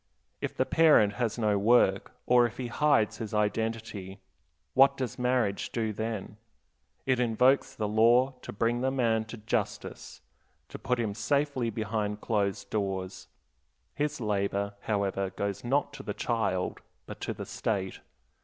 If the parent has no work, or if he hides his identity, what does marriage do then? It invokes the law to bring the man to "justice," to put him safely behind closed doors; his labor, however, goes not to the child, but to the State.